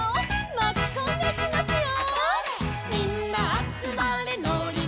「まきこんでいきますよ」